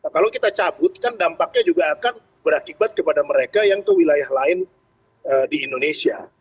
kalau kita cabut kan dampaknya juga akan berakibat kepada mereka yang ke wilayah lain di indonesia